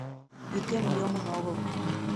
Йӱкем йомын огыл.